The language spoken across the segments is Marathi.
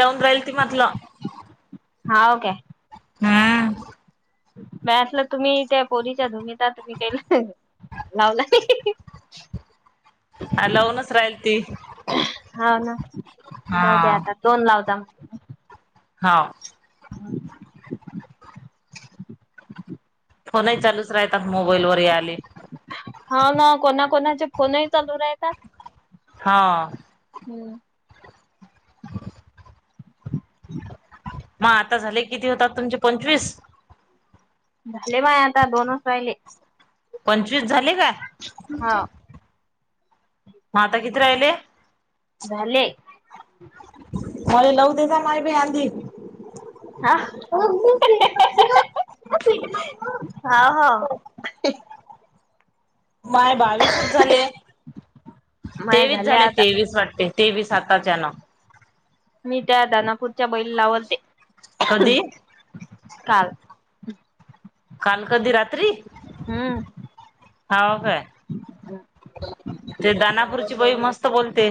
लावून ती [unintelligible] हाव काय? हा. [unintelligible] तुम्ही त्या पोरीच्या धुंदीत मी काय लावला नाही [inaudible] ह लावूनच राहिल ती. हा ना जाऊ द्या हा. आता दोन लाव जा. हाव. हम. फोनही चालूच राहत मोबाईलवर आले. हा ना कोणा कोणाचे फोनही चालू राहतात. हां. हम्म. हं. हा. मग आता झाले किती? होतात तुमचे पंचवीस. कुठले माये आता दोनच राहिले. पंचवीस झाले काय? हा मग आता किती? राहिले. झाले. मला लव देता मय बी आधी. हा हं [unintelligible] हे. माय बावीसच झाले. माय तेवीस झाले. आता तेवीस वाटते. आताच्यान. मी त्या दानापूरच्या बैईल लावलते कधी काल. काल कधी रात्री हम्म हाव काय? ते दानापूरची बई मस्त! बोलते.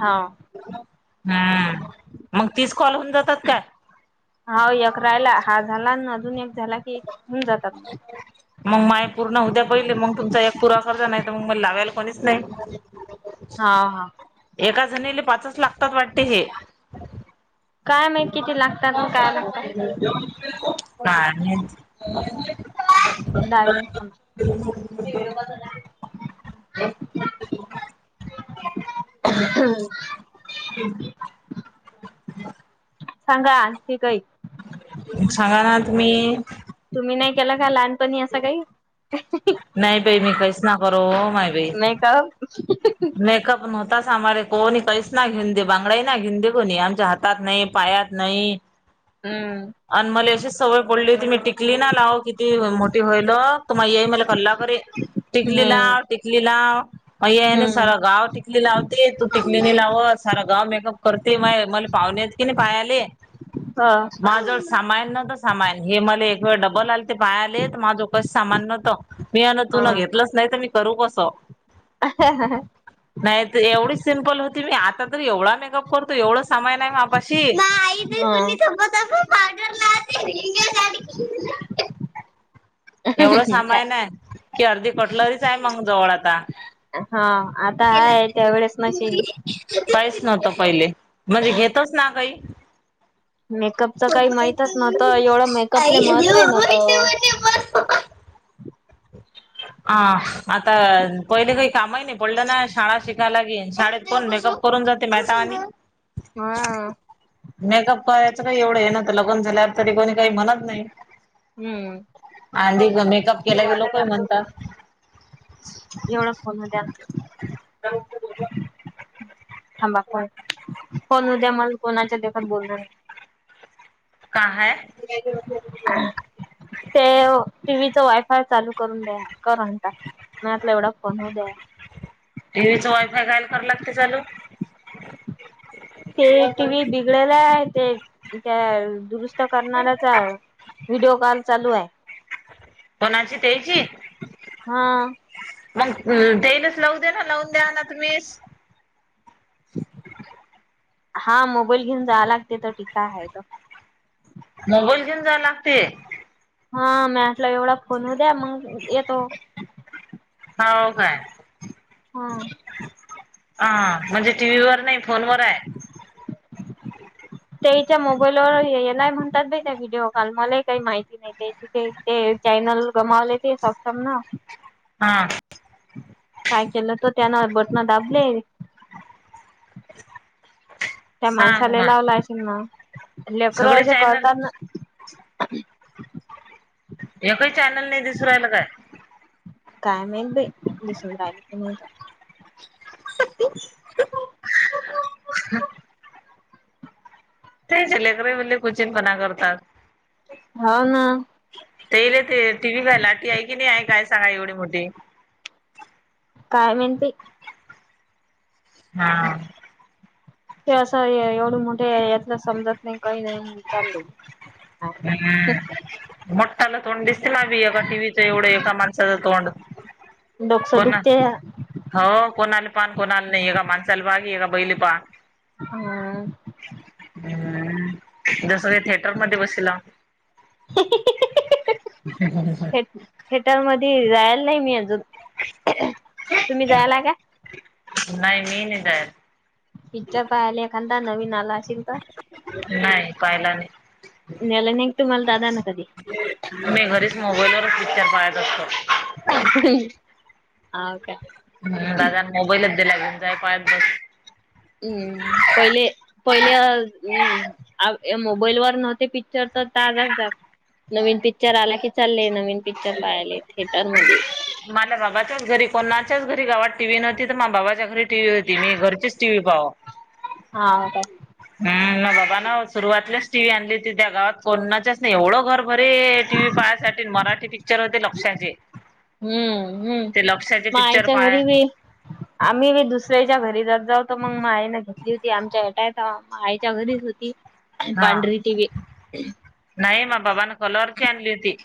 हाव हम्म मग तीस कॉल होऊन जातात का? हाव एक रायला हा झाला अजून एक झाला की होऊन जातात मग. मग माय पूर्ण होद्या पहिले मग तुमचा एक पुूरा करता जा नाही तर मग मला लावायला कोणीच नाही. हा हा. एका जणीले पाचच लागतात वाटत हे. काय? माहित किती? लाग नाही. [unintelligible] आतु आली. [unintelligible] हम् [inaudible] सांगा आणखी काही. सांगा ना तुम्ही तुम्ही नाही केला का लहानपणी असं काही? नाही बाई मी काहीच ना करो, माय बाई. हा [inaudible] मेकअप नव्हताच आमारे, कोणी काहीच ना घेन दे बांगड्या ना घेनदी कोणी आमच्या हातात नाही पायात नाही नाही, हम्म. आणि मला अशी सवय पडली होती मी टिकली ना लाव किती मो होईल तर, माझी आई मला कल्ला करी, टिकली हम्म लाव टिकली लाव म हम्म गाव टिकली लावते तू टिकली नई लावत, सारं गाव मेकअप करते, मा मले पाहुणेे येत की नाही पायाले हा. माझजवळ सामान नव्हतं सामान, हे मला एक वेळ डबल आलते पायाले तर माय जवळ काही सामान नव्हतं. मी अन हा तुन घेतलंच नाही तर मी करू कसं. ह हा. नाही तर एवढी सिम्पल होती मी, आता तर एवढा मेकअप करतो एवढं सामान हाय मापाशी हा तडर ला [inaudible] एवढं सामान आहे, की अर्धी कटलरीच आहे मग जवळ आता. हा आता हाय, त्या वेळेस नशीन. काहीच नव्हत पयले, म्हणजे घेतच ना कायी. मेकअपच काही माहितच नव्हतं एवढं मेकअपले महत्त्वही नव्हतं. [unintelligible] [inaudible] हा, आता पहिले काही कामही नाही पडलं ना शाळा शिकायला लागेन, शाळेत कोण मेकअप करून जाते, म आता आम्ही हां. मेकअप करायचं काही एवढं हे नाही, ना तर लगन झाल्यावर तरी कोणी काही म्हणत नाही, हम्म आंधी मेकअप केला की लोकं म्हणतात एवढं फोन द्याना थांबा, फोण उद्या मला कोणा पण कोण उद्या मग कोणाच्या देखात बोलनंई. का हाय? [inaudible] तेव टीव्हीच वायफाय चालू करून द्या, करून टाक म आपल्या एवढ‌ं फोन मध्ये आहे. टीव्हीचा वायफाय कह्याला करायला लागते चालू.? ते टी व्ही बिगडल आहे, ते त्या दुरुस्त करणा्याचा व्हिडिओकॉल चालू आहे. कोणाची त्यायची. हां. मग तेलाच लावू द्याना लावून द्या ना तुम्हीच. हा मोबाईल घेऊन जाया लागते तर ठीकाय हायतं. मोबाईल घेऊन जाया लागते. हा, म्यामटला एवढा फोन होऊ द्या, मग येतो. हो काय,, हा ह म्हणजे टीव्ही वर नाही फोन वर आहे. [inaudible] तेईच्या मोबाईलवर येनार म्हणतात बाई त्या व्हिडिओ काॅल, मलाही काही माहित त्या ते ते चॅनल गमावले ते सक्षम नं. हा. काय केलं तर त्यान बटनं दाबले. [inaudible] त्या माणसाला ना लावला असेल ना लेकरं सगळे असे चॅनल करतात ना. ह [inaudible] एक ही चॅनल नाही दिसू राहिल काय? काय? माहित बाई दिसून राहिल क नाही तर. [inaudible] त्यांचे लेकरं पण लय कुचळपणा करतात. हाव न. ते इले ते टी व्ही काय लाटी आहे की नाही आहे काय सांगा एवढे मोठे. काय माहिती? बाई हां. ते असं एवढं मोठे यात समजत नाही काही नाही चाललं. हम्म. मोठाला तोंड दिसलान एका टी व्ही चं एका माणसाचं तोंड. डोक्सा कोण दुखतेया. हो कोणाले पान कोणाला नाही ए का माणसाला बाग ए बैले पहा. हम्म जसं काय थिएटर मध्ये बस [inaudible] थिएटर मध्ये जायला नाही मी अजून तुम्ही जायला हे का? नाही मी नाही जायत. पिच्चर पाहिला एखादा नवीन आलाय. सिम्बा नाही पाहिला नाही नेलं नाहीक तुम्हाला दादा न कधी. मी घरीच मोबाईल वरच पिक्चर पाहत असतो. हा का? हम दादान मोबाईलच दिला लागे काय पहिजे आजून. हम्म पहिले पहिले मी हम. अ मोबाईल वर नव्हते पिक्चर तर ताजा जात. नवीन पिक्चर आला की चालले नवीन पिक्चर पायले थिएटरमधि. माझ्या बाबाच्याच घरी कोणाच्याच घरी गावात टीव्ही नव्हती तर माझ्या बाबाच्या घरी टीव्ही होती मी घर टीव्ही पावा. हा का हम् बाबा ना सुरुवातलेच टीव्ही आणली होती ती त्या गावात कोणानाच नाही एवढं घर बरे टीव्ही पाहासाठी मराठी पिक्चर होते लक्षाचे हम्म हम्म ते लक्षाचे मया पिक्चर आईच्या पाहा घरी बी. आम्ही बी दुसऱ्याच्या घरी जात जाऊ तर मग मायन घेतली होती. आमच्या हटाय आयच्या घरीच होती हा पांढरी टीव्ही. नाही मा बाबान कलरची आणली होती.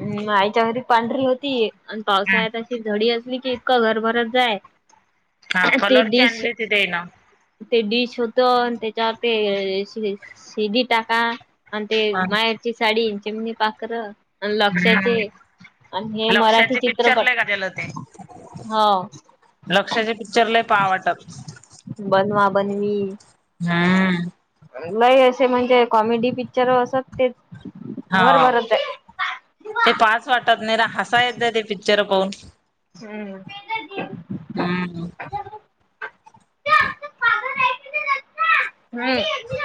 हम् आईच्या घरी पांढरी होती. आणि पावसाळ्यात हम्म अशी झडी असली कि इतकं घर भरत जाय. हा ते कलरची डिश आणली होती त्यायन न. ते डीश होत त्याच्यावर ते शिडी टाका. आणि ते माहेरची साडी, चिमनी पाखरं, आणि लक्षाचे हम्म आणि हे मराठी लक्षाचे पिक्चर लय चित्रपट. गाजल होते हो लक्षाचे पिक्चर लय पाहा वाटत. बनवा बनवी. हम्म. नाही असे म्हणजे कॉमेडी पिक्चर असत तेच हा घर भरत आहे. हम्म. ते पाहाच वाटत नाहीतर हसा येत ते पिक्चर पाहून. हम्म. हम्म हम.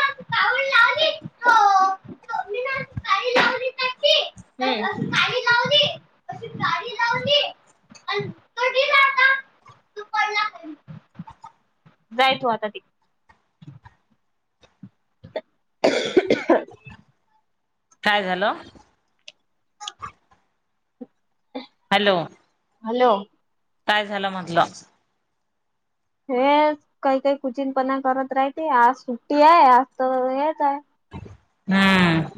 [inaudible] जाय तू आता ते [inaudible] काय झालं? हॅलो. हॅलो. काय झालं म्हटलं? हे काही काही कुचिनपणा करत राहते आज सुट्टी आहे आज तर हेच आय हम्म.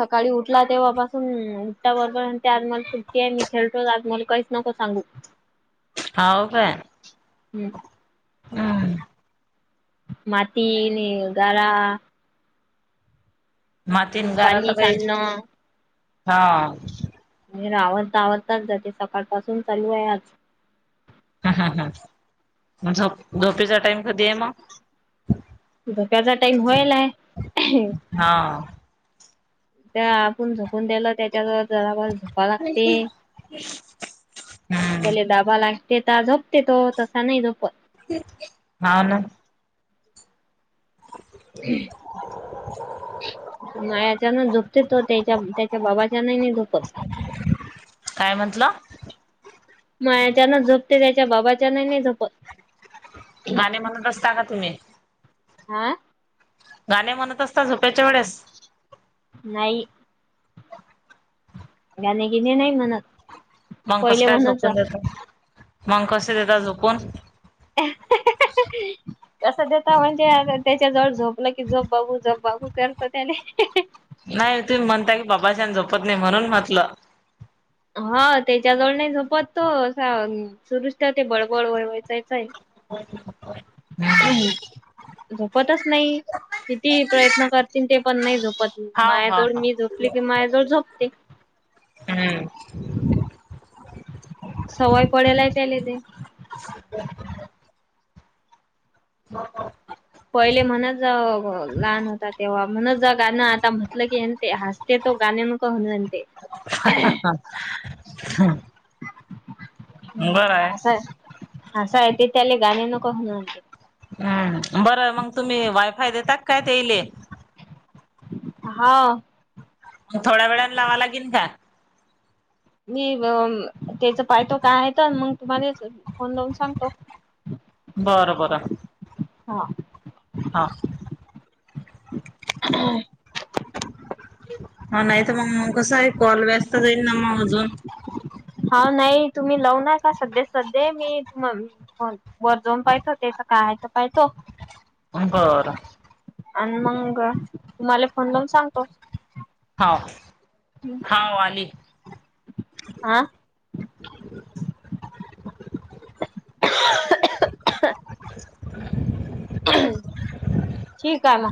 सकाळी उठला तेव्हापासून उठता बरोबर आणि ते आज मला सुट्टी आय मी खेळतो आज मला काहीच नको सांगू. [inaudible] हाव काय? हम्म [inaudible] माती नी गरा मातीन गारा तर पाणी काही सांडणं हा. आवरता आवरताच जाते सकाळ पासून चालू आहे आज. ह ह ह झ झोपेचा टाईम कधी आहे मग? झोपाचा टाइम व्हयलांय. हा. त्या आपूण झोपून द्यल त्याच्या जवळ जरावर झोपा लागते, हम्म त्याला डाबा लाग ते ता झोपते तो, तसा नाही झोपत. हाव ना. [inaudible] मायाच्यान झुपते तो त्याच्या त्याच्या बाबाच्यान ई नाय झोपत. काय म्हंटलं? मायाच्यानच झोपते त्याच्या बाबाच्या ना ने नाय झोपत. गाणे म्हणत असता का तुम्ही? हा? गाणे म्हणत असता झोपेच्या वेळेस? नाही. गाणे गिणे नाही म्हणत. मंग कस पहिले काय म्हणच झोपून देत? मग कसे देता झोपून? [inaudible] कसं देता म्हणजे, त्याच्या जवळ झोपलं की झोप बाबू झोप बाबू करत त्याने. नाही तुम्ही म्हणता की बाबा च्याने जोपत नाही म्हणून म्हटलं. हा त्याच्याजवळ नाही झोपत तो असा सुरूच ठेवते ते बडबड व वचायचंय. [inaudible] झोपतच नाही. किती ही प्रयत्न करतीन ते पण नाही झोपत हा माया् हा जवळ हा मी झोपली कि मायाजवळ झोपते. हम्म. सवय पडेलाय त्याले ते. [inaudible] [inaudible] पहिले म्हणच लहान होता तेव्हा म्हण ज गाणं आता म्हटलं की ते हस्ते तो गाणे मग कोण म्हणते. हम. असं आहे असं आहे त त्याले गाणी नको म्हणू. हम्म बरं मग तुम्ही वायफाय देतात काय त्या ले. हा. ग थोड्या वेळाला लावाला गेनतात. मी त्याच पायतो काय आहे तर मग तुम्हाला फोन लावून सांगतो. बरं बर. हा. हा. [inaudible] हा नाही तर मग कसं आहे कॉल व्यस्त जाईल ना मग अजून हा नाही तुम्ही लाव ना का सध्या सध्या मी तु हो बर जाऊन पाहितो त्याच काय आहे तर पाहितो. [unintelligible] आणि मग तुम्हाला फोन लाून सांगतोस. हो हा आली. आ. [inaudible] ठीक आहे ना.